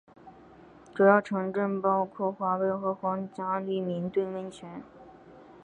主要城镇包括华威和皇家利明顿温泉。